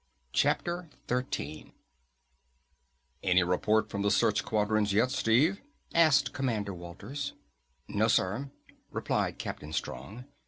CHAPTER 13 "Any report from the search squadrons yet, Steve?" asked Commander Walters. "No, sir," replied Captain Strong.